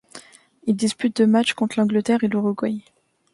Il dispute deux matchs contre l'Angleterre et l'Uruguay.